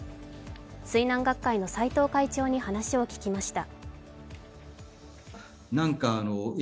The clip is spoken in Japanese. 水難学会の斎藤会長に話を聞きました。